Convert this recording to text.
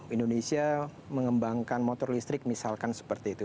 indonesia mengembangkan motor listrik misalkan seperti itu